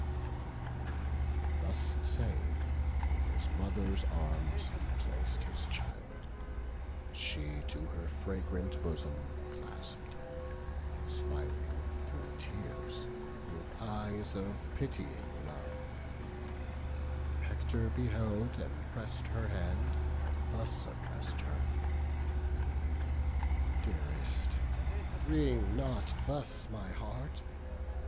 Thus saying, in his mother's arms he plac'd His child; she to her fragrant bosom clasp'd, Smiling through tears; with eyes of pitying love Hector beheld, and press'd her hand, and thus Address'd her—"Dearest, wring not thus my heart!